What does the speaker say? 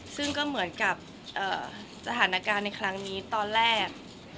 ซึ่งก็เหมือนกับสถานการณ์ในครั้งนี้ตอนแรก